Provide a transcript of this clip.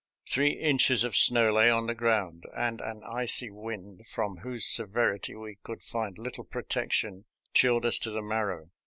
Three inches of snow lay on the ground and an icy wind, from whose severity we could flnd little protection, chilled us to the marrow.